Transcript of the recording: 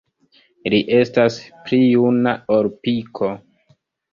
Li estas pli juna ol Piko.